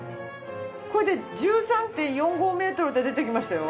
これで１３．４５メートルって出てきましたよ。